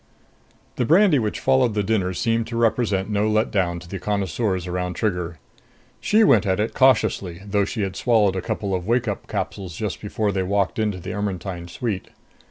The brandy which followed the dinner seemed to represent no let down to the connoisseurs around Trigger. She went at it cautiously, though she had swallowed a couple of wake up capsules just before they walked into the Ermetyne suite.